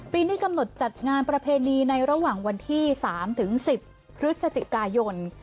ปีนี้กำหนดจัดงานประเพณีในระหว่างวันที่๓๑๐พฤศจิกายน